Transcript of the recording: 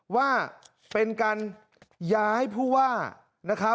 ว่าเป็นการย้ายผู้ว่า